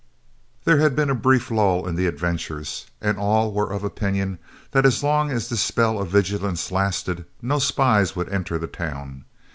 There had been a brief lull in the adventures, and all were of opinion that as long as this spell of vigilance lasted no spies would enter the town.